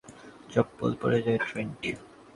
আচ্ছা, ব্যাংক ডাকাতি করতে কে চপ্পল পরে যায়, ট্রেন্ট?